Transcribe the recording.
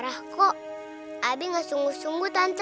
aku mau pergi